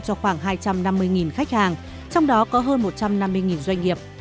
cho khoảng hai trăm năm mươi khách hàng trong đó có hơn một trăm năm mươi doanh nghiệp